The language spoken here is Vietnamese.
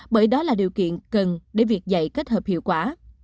bởi đó là điều kiện cần để việc dạy kết hợp hiệu quả